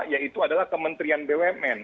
ya itu adalah kementerian bumn